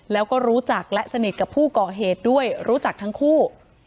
แล้วก็รู้จักและสนิทกับผู้ก่อเหตุด้วยรู้จักทั้งคู่